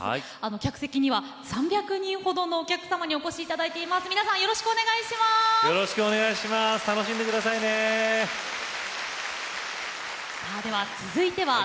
客席には３００人ほどのお客様にお越しいただいております。